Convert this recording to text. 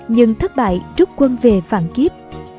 nhưng thất bại rút quân về phản kiếp